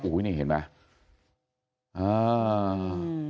อุ้ยนี่เห็นไหม